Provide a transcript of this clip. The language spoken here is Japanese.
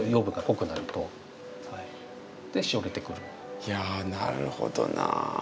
いやなるほどなぁ。